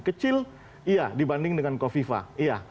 kecil iya dibanding dengan kofifa iya